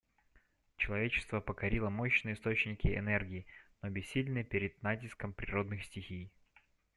Человечество покорило мощные источники энергии, но бессильно перед натиском природных стихий.